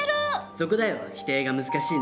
そこだよ否定が難しいのは。